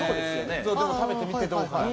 でも食べてみてどうか。